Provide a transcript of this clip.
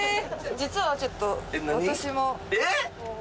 実はちょっと私も。えっ！？